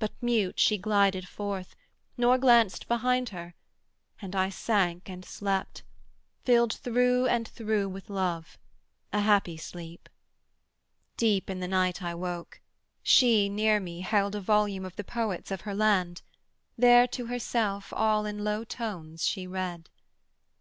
but mute she glided forth, Nor glanced behind her, and I sank and slept, Filled through and through with Love, a happy sleep. Deep in the night I woke: she, near me, held A volume of the Poets of her land: There to herself, all in low tones, she read.